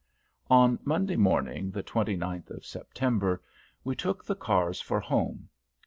On Monday morning, the twenty ninth of September, we took the cars for home.